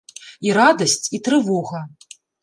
І радасць, і трывога.